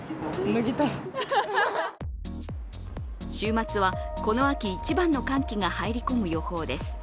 週末は、この秋一番の寒気が入り込む予報です。